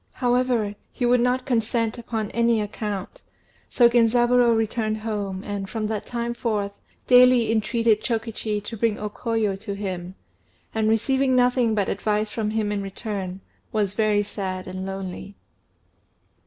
However, he would not consent upon any account; so Genzaburô returned home, and, from that time forth, daily entreated Chokichi to bring O Koyo to him, and, receiving nothing but advice from him in return, was very sad and lonely.